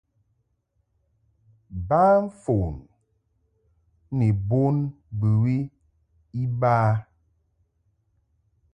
Ba fon ni bon bɨwi iba.